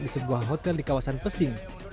di sebuah hotel di kawasan pesing